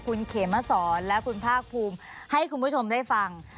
คุณเขมสอนและคุณภาคภูมิให้คุณผู้ชมได้ฟัง